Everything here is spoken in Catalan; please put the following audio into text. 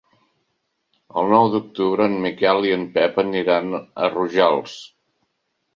El nou d'octubre en Miquel i en Pep aniran a Rojals.